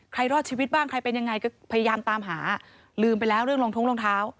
รอดชีวิตบ้างใครเป็นยังไงก็พยายามตามหาลืมไปแล้วเรื่องรองท้องรองเท้า